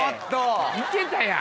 いけたやん。